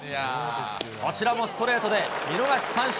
こちらもストレートで見逃し三振。